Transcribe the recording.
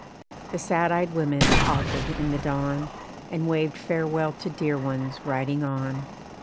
The sad eyed women halted in the dawn, And waved farewell to dear ones riding on.